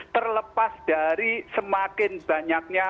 terlepas dari semakin banyaknya